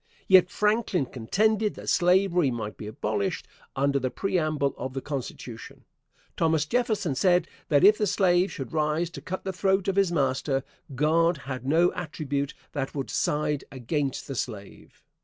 Yet Franklin contended that slavery might be abolished under the preamble of the Constitution. Thomas Jefferson said that if the slave should rise to cut the throat of his master, God had no attribute that would side against the slave.